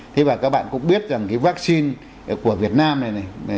thế và các bạn cũng biết rằng cái vaccine của việt nam này này